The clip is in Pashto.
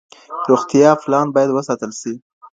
روغتیا پالان باید وستایل شي.